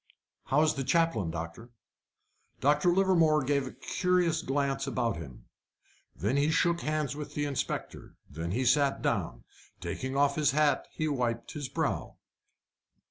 "How is the chaplain, doctor?" Dr. Livermore gave a curious glance about him. Then he shook hands with the inspector. Then he sat down. Taking off his hat, he wiped his brow.